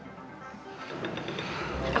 mungkin aku yang nyerah